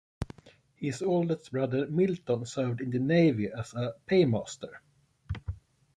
His oldest brother, Milton, served in the Navy as a paymaster.